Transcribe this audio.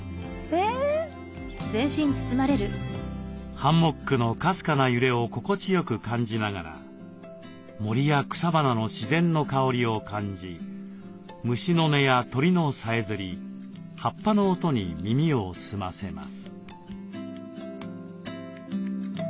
ハンモックのかすかな揺れを心地よく感じながら森や草花の自然の香りを感じ虫の音や鳥のさえずり葉っぱの音に耳を澄ませます。